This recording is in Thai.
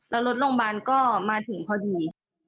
แล้วรถโรงพยาบาลก็มาถึงพอดี